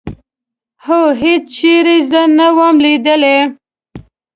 او هېڅ چېرې زه نه وم لیدلې.